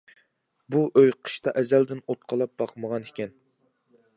بۇ ئۆي قىشتا ئەزەلدىن ئوت قالاپ باقمىغان ئىكەن.